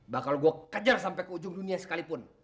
bakal gue kejar sampai ke ujung dunia sekalipun